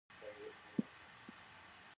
د وربشو ډوډۍ د روغتیا لپاره ښه ده.